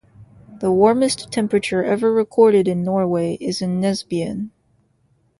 The warmest temperature ever recorded in Norway is in Nesbyen.